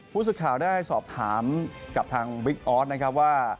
ผู้สื่อข่าวได้สอบถามกับทางบิ๊กออสนะครับว่า